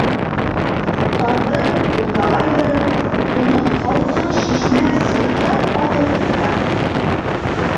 Утарҙы уртаға ярып, тоноҡ һалҡын шишмә сылтырап ағып ята.